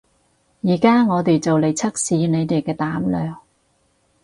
而家我哋就嚟測試你哋嘅膽量